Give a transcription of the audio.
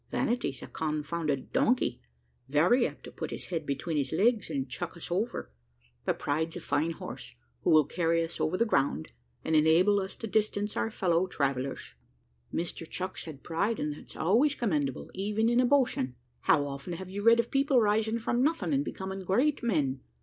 Vanity's a confounded donkey, very apt to put his head between his legs, and chuck us over; but pride's a fine horse, who will carry us over the ground, and enable us to distance our fellow travellers. Mr Chucks had pride, and that's always commendable, even in a boatswain. How often have you read of people rising from nothing, and becoming great men?